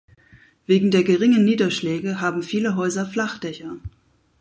Wegen der geringen Niederschläge haben viele Häuser Flachdächer.